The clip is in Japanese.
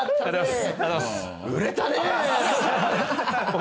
売れたね！